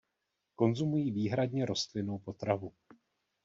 Konzumují výhradně rostlinnou potravu.